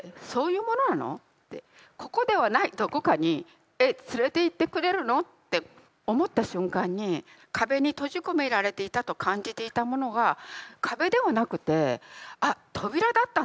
ここではない何処かにえっ連れて行ってくれるの？って思った瞬間に壁に閉じ込められていたと感じていたものが壁ではなくてあっ扉だったんだみたいな。